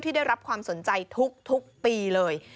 ได้รับความสนใจทุกปีเลย